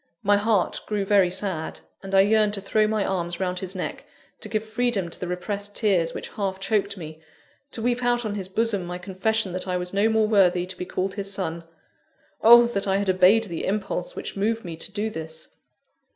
My heart grew very sad; and I yearned to throw my arms round his neck, to give freedom to the repressed tears which half choked me, to weep out on his bosom my confession that I was no more worthy to be called his son. Oh, that I had obeyed the impulse which moved me to do this!